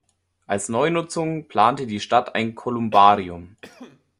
Als Neunutzung plante die Stadt ein Kolumbarium.